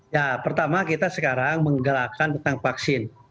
ya pertama kita sekarang menggerakkan tentang vaksin